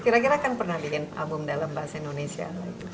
kira kira kan pernah bikin album dalam bahasa indonesia